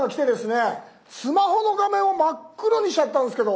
スマホの画面を真っ黒にしちゃったんすけど。